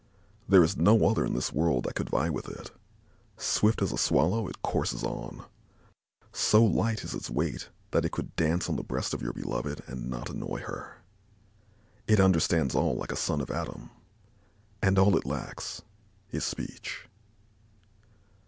There is no other in this world that could vie with it. Swift as a swallow, it courses on; so light is its weight that it could dance on the breast of your beloved and not annoy her. It understands all like a son of Adam, and all it lacks is speech."